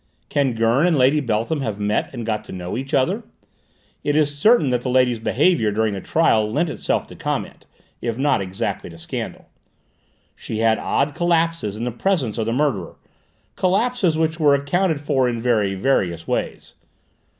Can Gurn and Lady Beltham have met and got to know each other? It is certain that the lady's behaviour during the trial lent itself to comment, if not exactly to scandal. She had odd collapses in the presence of the murderer, collapses which were accounted for in very various ways.